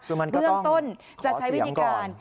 คือมันก็ต้องขอเสียงก่อน